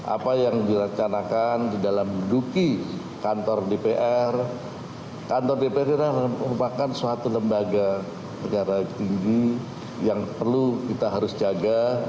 apa yang dirancangkan di dalam menduduki kantor dpr kantor dpr ini merupakan suatu lembaga secara tinggi yang perlu kita harus jaga